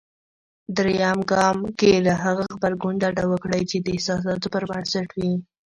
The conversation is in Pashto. درېم ګام کې له هغه غبرګون ډډه وکړئ. چې د احساساتو پر بنسټ وي.